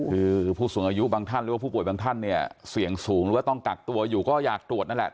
คือผู้สูงอายุบางท่านหรือว่าผู้ป่วยบางท่านเนี่ยเสี่ยงสูงหรือว่าต้องกักตัวอยู่ก็อยากตรวจนั่นแหละ